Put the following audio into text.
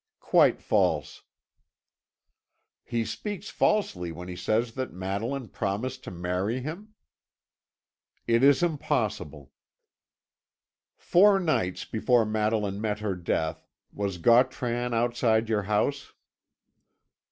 "Quite false." "He speaks falsely when he says that Madeline promised to marry him?" "It is impossible." "Four nights before Madeline met her death, was Gautran outside your house?"